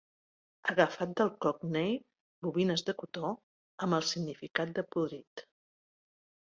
Agafat del cockney, "bobines de cotó " amb el significat de podrit.